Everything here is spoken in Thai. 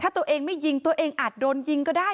ถ้าตัวเองไม่ยิงตัวเองอาจโดนยิงก็ได้